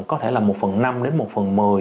có thể là một phần năm đến một phần mười